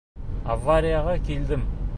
Аварияға килдем.